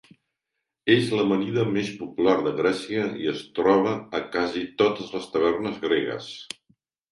És l'amanida més popular de Grècia i es troba a quasi totes les tavernes gregues.